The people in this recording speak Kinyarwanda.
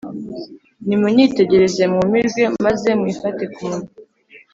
nimunyitegereze mwumirwe, maze mwifate ku munwa